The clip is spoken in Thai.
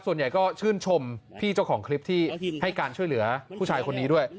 ส่วนใหญ่ก็ชื่นชมพี่เจ้าของคลิปที่ให้การช่วยเหลือผู้ชายคนนี้ด้วย